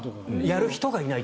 やる人がいないと。